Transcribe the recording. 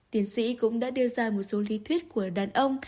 tiến sĩ cũng đã đưa ra một số lý thuyết của đàn ông